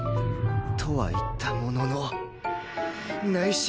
とは言ったものの内心